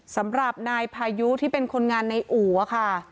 สำหรับนายพายุที่เป็นคนงานในอู่ค่ะ